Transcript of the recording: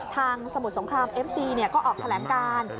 สมุทรสงครามเอฟซีก็ออกแถลงการ